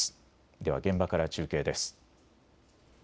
では現場から中継です。